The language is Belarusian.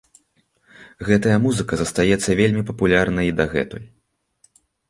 Гэтая музыка застаецца вельмі папулярнай і дагэтуль.